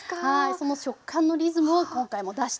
その食感のリズムを今回も出していきたいと思います。